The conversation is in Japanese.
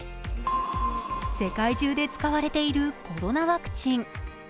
世界中で使われているコロナワクチン。